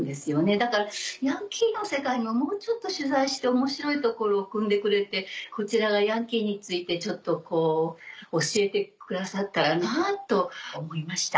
だからヤンキーの世界にももうちょっと取材して面白いところをくんでくれてこちらがヤンキーについてちょっとこう教えてくださったらなぁと思いました。